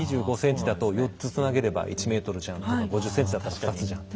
２５ｃｍだと４つつなげれば１ｍじゃんとか５０ｃｍだと２つじゃん。